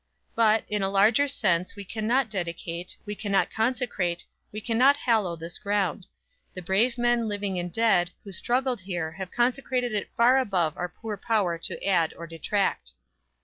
"But, in a larger sense we cannot dedicate, we cannot consecrate, we cannot hallow this ground. The brave men living and dead, who struggled here have consecrated it far above our poor power to add or detract.